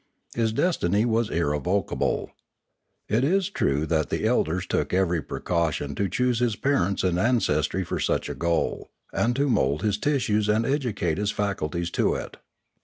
His destiny was irrevocable. It is true that the elders took every precaution to choose his parents and ancestry for such a goal, and to mould his tissues and educate his faculties to it.